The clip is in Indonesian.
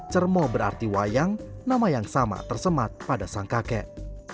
cermo berarti wayang nama yang sama tersemat pada sang kakek